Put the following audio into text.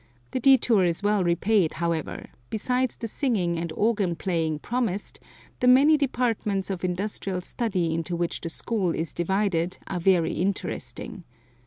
The detour is well repaid, however; besides the singing and organ playing promised, the many departments of industrial study into which the school is divided are very interesting.